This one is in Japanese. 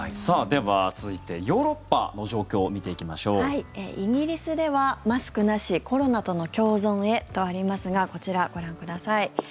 続いてはヨーロッパをイギリスではマスクなしコロナとの共存へとありますがこちらをご覧ください。